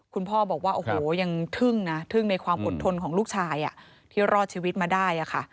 คุณพ่อบอกว่าโอ้โหยังทึ่งนะทึ่งในความอดทนของลูกชายที่รอดชีวิตมาได้ค่ะ